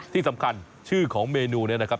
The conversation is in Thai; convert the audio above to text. ที่สำคัญชื่อของเมนูนี้นะครับ